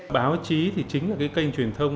báo chí thì chính là cái kênh truyền thông